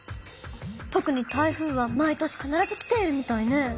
とくに台風は毎年かならず来ているみたいね。